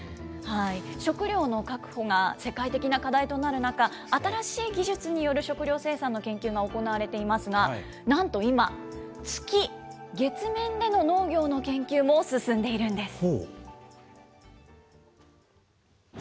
食料の確保が世界的な課題となる中、新しい技術による食料生産の研究が行われていますが、なんと今、月、月面での農業の研究も進んでいるんです。